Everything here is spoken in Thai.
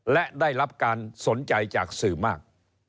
และได้รับการสนใจจากสื่อมาก